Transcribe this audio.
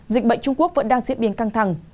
dịch bệnh trung quốc vẫn đang diễn biến căng thẳng